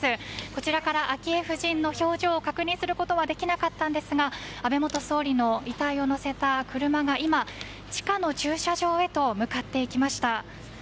こちらから昭恵夫人の表情は確認することはできなかったんですが安倍元総理の遺体を乗せた車が今、地下の駐車場へと向かっていきました。